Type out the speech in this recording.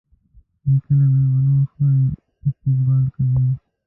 نیکه له میلمانه ښه استقبال کوي.